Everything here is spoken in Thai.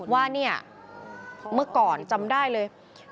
ว่าเนี่ยเมื่อก่อนจำได้เลย